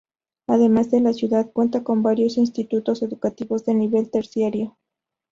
Además la ciudad cuenta con varios institutos educativos de nivel terciario.